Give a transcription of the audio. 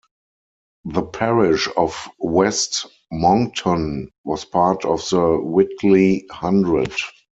The parish of West Monkton was part of the Whitley Hundred.